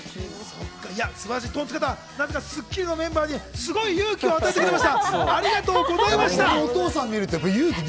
そこまで、素晴らしいトンツカタン、『スッキリ』のメンバーにすごい勇気を与えてくれました。